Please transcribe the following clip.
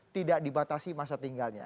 tidak dibatasi masa tinggalnya